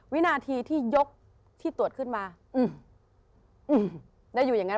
วินาทีที่ยกที่ตรวจขึ้นมา